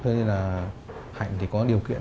thế nên là hạnh thì có điều kiện